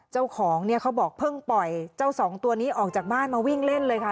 เจ้าของเนี่ยเขาบอกเพิ่งปล่อยเจ้าสองตัวนี้ออกจากบ้านมาวิ่งเล่นเลยค่ะ